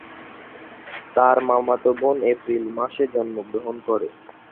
তার মামাতো বোন এপ্রিল মাসে জন্মগ্রহণ করে।